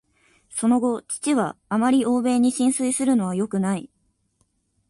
その後、父は「あまり欧米に心酔するのはよくない」